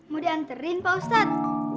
mau diantarin pak ustaz